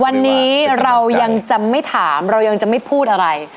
วันนี้เรายังจะไม่ถามเรายังจะไม่พูดอะไร